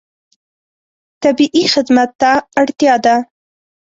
طبیعي خدمت ته اړتیا ده.